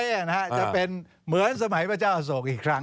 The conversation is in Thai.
นี่นะฮะจะเป็นเหมือนสมัยพระเจ้าอโศกอีกครั้ง